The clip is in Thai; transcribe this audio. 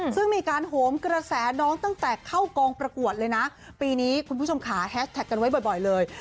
ซึ่งมีการโหมกระแสน้องตั้งแต่เข้ากองประกวดเลยนะปีนี้คุณผู้ชมขาแฮชแท็กกันไว้บ่อยเลย